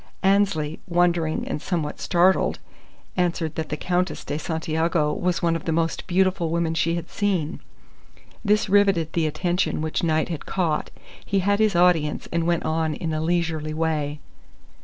Annesley, wondering and somewhat startled, answered that the Countess de Santiago was one of the most beautiful women she had seen. This riveted the attention which Knight had caught. He had his audience, and went on in a leisurely way.